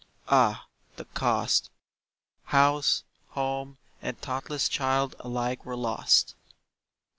Ah, the cost! House, home, and thoughtless child alike were lost.